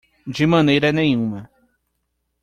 De maneira nenhuma